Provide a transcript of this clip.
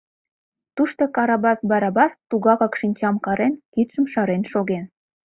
Тушто Карабас Барабас тугакак шинчам карен, кидшым шарен шоген.